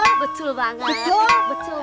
betul betul banget